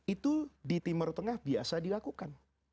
itu di timur tengah biasa dilakukan